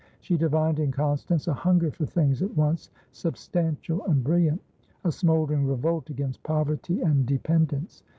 She divined in Constance a hunger for things at once substantial and brilliant, a smouldering revolt against poverty and dependence.